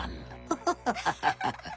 ウハハハハハ。